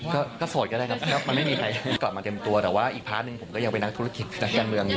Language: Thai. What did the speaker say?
ก็โสดก็ได้ครับมันไม่มีใครกลับมาเต็มตัวแต่ว่าอีกพาร์ทหนึ่งผมก็ยังเป็นนักธุรกิจนักการเมืองอยู่